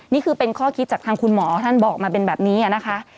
นี่คือเป็นข้อคิดจากทางคุณหมอท่านบอกมาเป็นแบบนี้นะคะ